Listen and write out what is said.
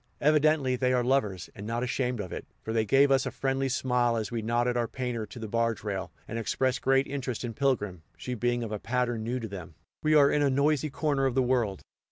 Evidently they are lovers, and not ashamed of it, for they gave us a friendly smile as we knotted our painter to the barge rail, and expressed great interest in Pilgrim, she being of a pattern new to them. We are in a noisy corner of the world.